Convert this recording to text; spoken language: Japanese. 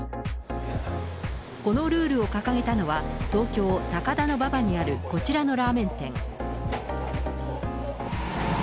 このルールを掲げたのは、東京・高田馬場にあるこちらのラーメン店。